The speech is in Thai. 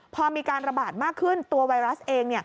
พอมีการระบาดมากขึ้นตัวไวรัสเอง